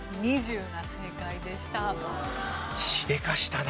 ２０が正解でした。